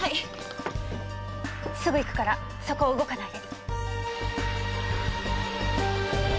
すぐ行くからそこを動かないで。